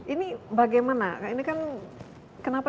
ini bagaimana ini kan kenapa